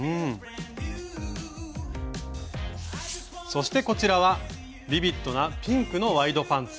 そしてこちらはビビッドなピンクのワイドパンツ。